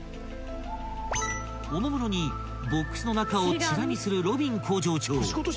［おもむろにボックスの中をちら見するロビン工場長］